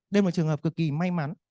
đây là một trường hợp cực kì may mắn